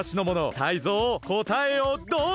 タイゾウこたえをどうぞ！